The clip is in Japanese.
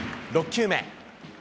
６球目。